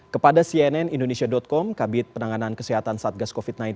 kepada cnn indonesia com kabit penanganan kesehatan satgas covid sembilan belas